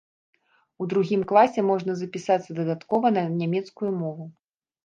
У другім класе можна запісацца дадаткова на нямецкую мову.